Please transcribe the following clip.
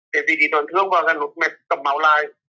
tại vì thì tổn thương và là nút mẹt cầm máu lại